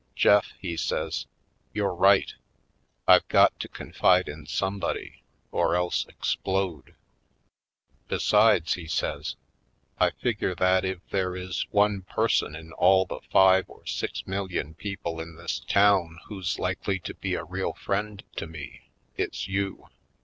"Jeff," he says, "you're right. I've got to confide in somebody — or else explode. Besides," he says, "I figure that if there is one person in all the five or six million people in this town who's likely to be a real friend to me, it's you.